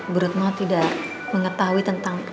berutno tidak mengetahui tentang